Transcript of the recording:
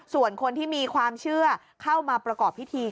ส่วนคนที่มีความเชื่อเข้ามาประกอบพิธี